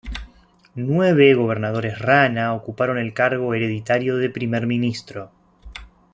Nueve gobernadores Rana ocuparon el cargo hereditario de Primer Ministro.